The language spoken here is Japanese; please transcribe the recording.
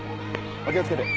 お気を付けて。